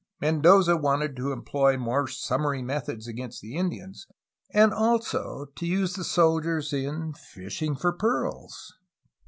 Mendoza wanted to employ more summary methods against the Indians and also to use the soldiers in fishing for pearls.